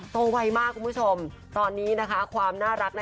โตวัยมากคุณผู้ชมตอนนี้ความน่ารัก